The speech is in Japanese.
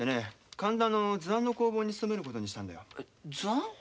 神田の図案の工房に勤めることにしたんだよ。